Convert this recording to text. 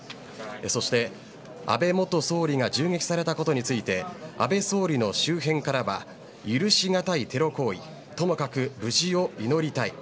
そして、安倍元総理が銃撃されたことについて安倍総理の周辺からは許しがたいテロ行為ともかく無事を祈りたい。